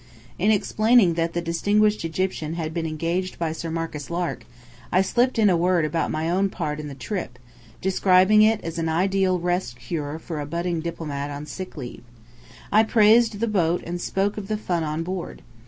In explaining that the distinguished Egyptian had been engaged by Sir Marcus Lark, I slipped in a word about my own part in the trip, describing it as an ideal rest cure for a budding diplomat on sick leave. I praised the boat and spoke of the fun on board.